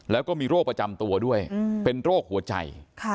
แล้วก็มีโรคประจำตัวด้วยเป็นโรคหัวใจ